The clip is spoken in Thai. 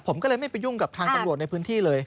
ผมก็เลยไม่ไปยุ่งกับทางตำรวจในพื้นที่เลย